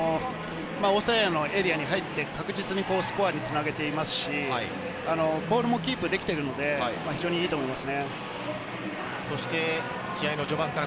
オーストラリアのエリアに入って確実にスコアにつなげていますし、ボールもキープできているので、非常にいいと思います。